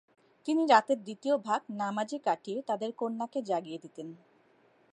তিনি রাতের দ্বিতীয় ভাগ নামাযে কাটিয়ে তাদের কন্যাকে জাগিয়ে দিতেন।